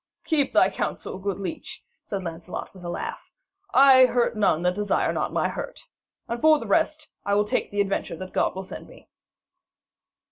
'Keep thy counsel, good leech,' said Sir Lancelot with a laugh. 'I hurt none that desire not my hurt. And, for the rest, I will take the adventure that God will send me.'